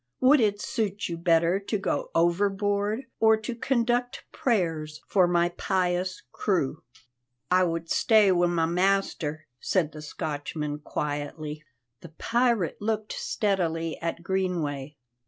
Would it suit you better to go overboard or to conduct prayers for my pious crew?" "I would stay wi' my master," said the Scotchman quietly. The pirate looked steadily at Greenway.